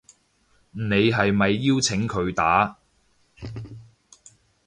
你係咪邀請佢打